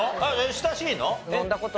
親しいの？